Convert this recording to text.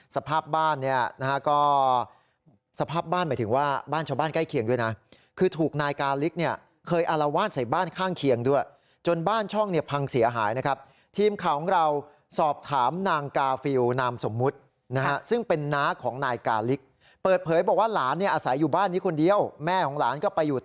สภาพบ้านเนี่ยนะฮะก็สภาพบ้านหมายถึงว่าบ้านชาวบ้านใกล้เคียงด้วยนะคือถูกนายกาลิกเนี่ยเคยอารวาสใส่บ้านข้างเคียงด้วยจนบ้านช่องเนี่ยพังเสียหายนะครับทีมข่าวของเราสอบถามนางกาฟิลนามสมมุตินะฮะซึ่งเป็นน้าของนายกาลิกเปิดเผยบอกว่าหลานเนี่ยอาศัยอยู่บ้านนี้คนเดียวแม่ของหลานก็ไปอยู่ต